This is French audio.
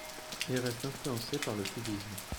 Il reste influencé par le cubisme.